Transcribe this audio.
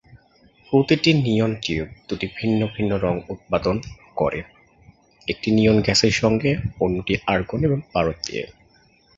প্রতিটি neon tube দুটি ভিন্ন ভিন্ন রঙ উৎপাদন করে, একটি নিয়ন গ্যাসের সঙ্গে এবং অন্যটি আর্গন বা পারদ দিয়ে।